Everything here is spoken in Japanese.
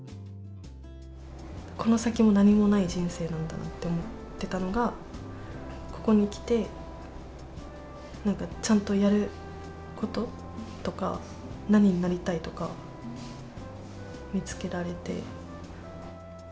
この先も何もない人生なんだろうなって思ってたのが、ここにきて、なんかちゃんとやることとか、何になりたいとか、見つけられて。